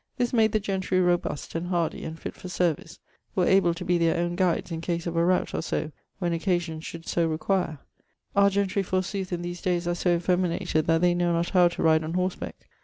This made the gentry robust and hardy and fitt for service; were able to be their owne guides in case of a rout or so, when occasion should so require. Our gentry forsooth in these dayes are so effeminated that they know not how to ride on horseback.